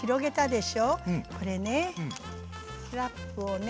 ラップをね